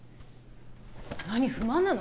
何不満なの？